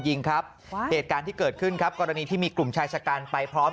ยิงครับเหตุการณ์ที่เกิดขึ้นครับกรณีที่มีกลุ่มชายชะกันไปพร้อม